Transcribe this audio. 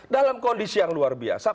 dalam kondisi yang luar biasa